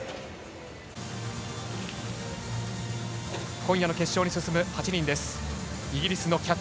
今夜の決勝に進む８人です。